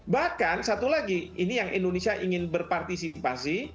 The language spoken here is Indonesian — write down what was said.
bahkan satu lagi ini yang indonesia ingin berpartisipasi